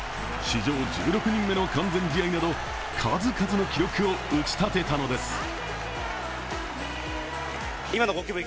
史上１６人目の完全試合など数々の記録を打ち立てたのです。